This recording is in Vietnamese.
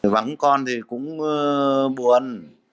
vắng con thì cũng buồn